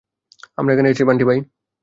আমরা এখানে কেন এসেছি, বান্টি-ভাই?